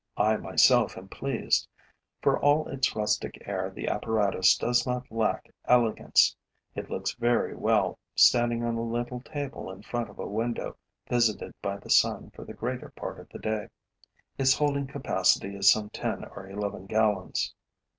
I myself am pleased. For all its rustic air, the apparatus does not lack elegance. It looks very well, standing on a little table in front of a window visited by the sun for the greater part of the day. Its holding capacity is some ten or eleven gallons.